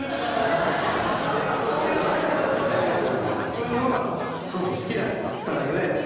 そういうものがすごく好きだったが故